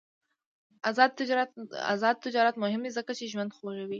آزاد تجارت مهم دی ځکه چې ژوند خوږوي.